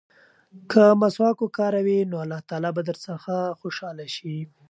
که مسواک وکاروې نو الله تعالی به درڅخه خوشحاله شي.